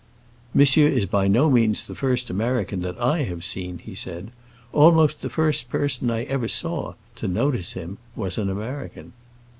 "Monsieur is by no means the first American that I have seen," he said. "Almost the first person I ever saw—to notice him—was an American."